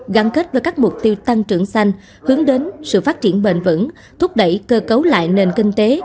gắn kết với các mục tiêu tăng trưởng xanh hướng đến sự phát triển bền vững thúc đẩy cơ cấu lại nền kinh tế